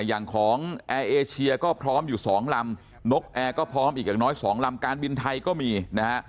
อย่างของแอร์เอเชียก็พร้อมอยู่๒ลำนกแอร์ก็พร้อมอีกอย่างน้อย๒ลำการบินไทยก็มีนะฮะ